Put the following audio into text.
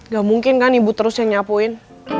gak mungkin kan ibu terus yang nyapuin